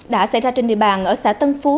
đã xảy ra trên địa bàn ở xã tân phú